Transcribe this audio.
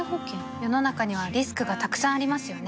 世の中にはリスクがたくさんありますよね